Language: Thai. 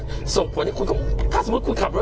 ถ้าสมมุติคุณขับรถอยู่อย่างนี้ตกตกใจไหมล่ะ